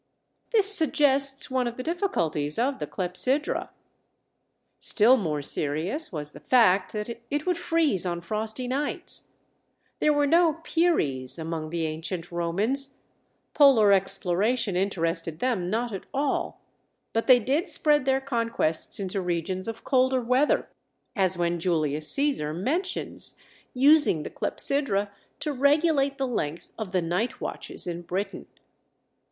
This suggests one of the difficulties of the clepsydra. Still more serious was the fact that it would freeze on frosty nights. There were no Pearys among the ancient Romans; polar exploration interested them not at all; but they did spread their conquests into regions of colder weather—as when Julius Caesar mentions using the clepsydra to regulate the length of the night watches in Britain.